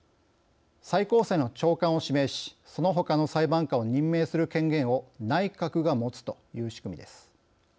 最高裁の長官を指名しそのほかの裁判官を任命する権限を内閣が持つという仕組みです。